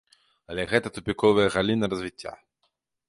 Але гэта тупіковая галіна развіцця.